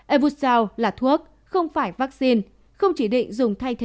evusel là thuốc không phải vaccine không chỉ định dùng thay thế